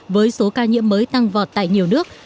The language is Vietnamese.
với số ca nhiễm mới tăng vọt tại nhiều nước